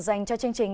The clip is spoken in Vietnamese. dành cho chương trình